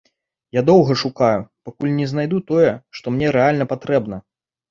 Я доўга шукаю, пакуль не знайду тое, што мне рэальна патрэбна.